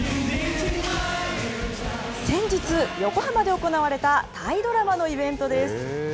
先日、横浜で行われたタイドラマのイベントです。